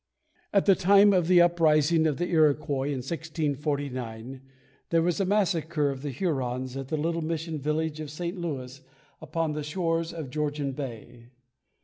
At the time of the uprising of the Iroquois in 1649, there was a massacre of the Hurons at the little mission village of St. Louis upon the shores of Georgian Bay.